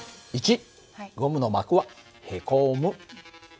１ゴムの膜はへこむ。